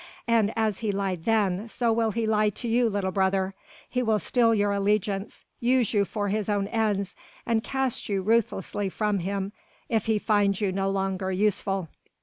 And as he lied then, so will he lie to you, little brother, he will steal your allegiance, use you for his own ends and cast you ruthlessly from him if he find you no longer useful.